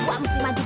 loh banget tuh